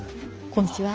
こんにちは。